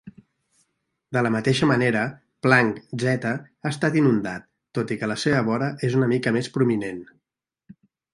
De la mateixa manera, Planck Z ha estat inundat, tot i que la seva vora és una mica més prominent.